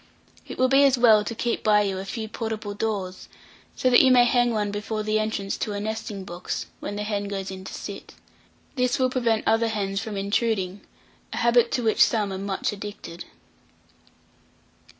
It will be as well to keep by you a few portable doors, so that you may hang one before the entrance to a nesting box, when the hen goes in to sit. This will prevent other hens from intruding, a habit to which some are much addicted.